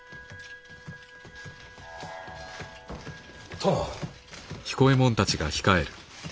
殿。